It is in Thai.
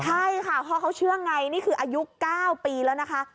ใช่ค่ะพ่อเขาเชื่อไงนี่คืออายุ๙ปีแล้วนะคะ